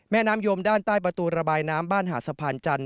แม่น้ำยมด้านใต้ประตูระบายน้ำบ้านหาดสะพานจันท